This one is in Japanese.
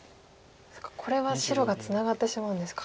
そっかこれは白がツナがってしまうんですか。